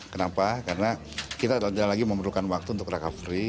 kenapa karena kita tidak lagi memerlukan waktu untuk recovery